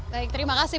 baik terima kasih